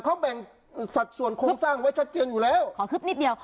เขาแบ่งสัดส่วนโครงสร้างไว้ชัดเจนอยู่แล้วขอคึบนิดเดียว